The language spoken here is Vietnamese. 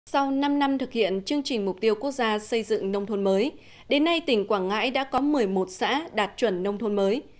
sau năm năm thực hiện chương trình mục tiêu quốc gia xây dựng nông thôn mới đến nay tỉnh quảng ngãi đã có một mươi một xã đạt chuẩn nông thôn mới